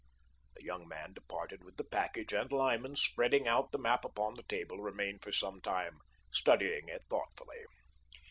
The young man departed with the package and Lyman, spreading out the map upon the table, remained for some time studying it thoughtfully.